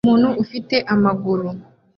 Umuntu ufite amaguru